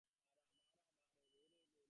তিনি কহিলেন, ভক্ষণ করিয়াছি।